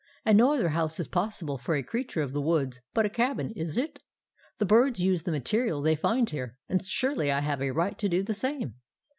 And no other house is possible for a creature of the woods but a cabin, is it? The birds use the material they find here; and surely I have a right to do the same.